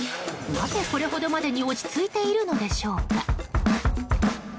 なぜこれほどまでに落ち着いているのでしょうか。